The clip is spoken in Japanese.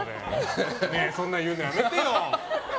ねえ、そんなの言うのやめてよ。